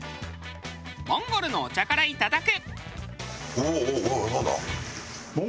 モンゴルのお茶からいただく。